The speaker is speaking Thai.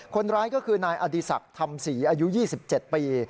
คนร้ายก็คือนายอดีศักดิ์ธรรมศรีอายุ๒๗ปี